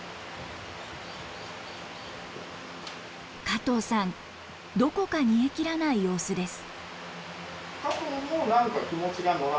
加藤さんどこか煮えきらない様子です。